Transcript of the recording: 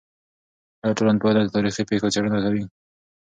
آیا ټولنپوهنه د تاریخي پېښو څېړنه کوي؟